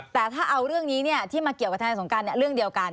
แต่ถ้าเอาเรื่องนี้ที่มาเกี่ยวกับทนายสงการเรื่องเดียวกัน